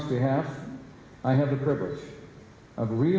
saya memiliki kemampuan